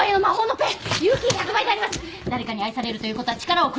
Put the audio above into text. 「誰かに愛されるということは力をくれるんだよ」